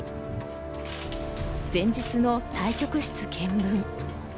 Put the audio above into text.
前日の対局室検分。